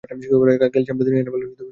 Calcium দাঁতের enamel শক্ত করে তোলে।